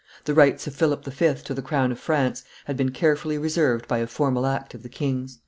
The rights of Philip V. to the crown of France had been carefully reserved by a formal act of the king's.